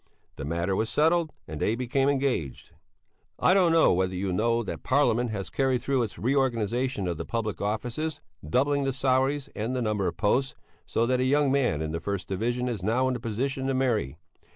The matter was settled, and they became engaged. I don't know whether you know that Parliament has carried through its reorganization of the public offices, doubling the salaries and the number of posts, so that a young man in the first division is now in a position to marry.